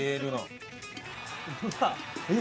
うわっ！